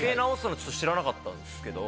知らなかったですけど。